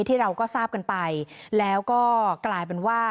ที่เราก็ทราบกันไปแล้วก็กลายเป็นว่า